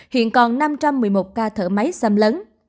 hiện còn năm trăm một mươi một ca thở máy xâm lấn